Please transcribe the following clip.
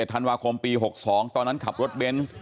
ธันวาคมปี๖๒ตอนนั้นขับรถเบนส์